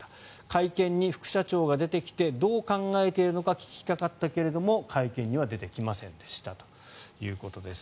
会見に副社長が出てきてどう考えているのか聞きたかったけれども会見には出てきませんでしたということです。